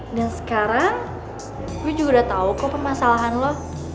dan sekarang gue juga udah tau kok pemasalahan lo